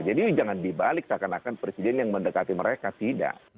jadi jangan dibalik seakan akan presiden yang mendekati mereka tidak